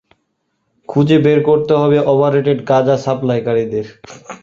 খুজে বের করতে হবে ওভাররেটেড গাঁজা সাপ্লায়কারিদের।